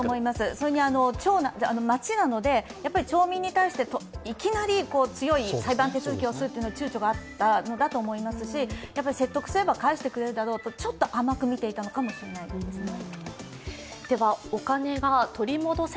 それに町なので、町民に対していきなり強い裁判手続をするのはちゅうちょがあったのだと思いますし、説得すれば返してくれるだろうと、ちょっと甘く見ていたのかもしれないですね。